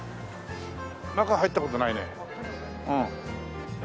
中入った事ないね。